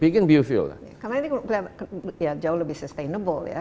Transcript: karena ini jauh lebih sustainable ya